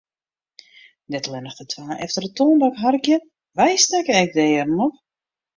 Net allinne de twa efter de toanbank harkje, wy stekke ek de earen op.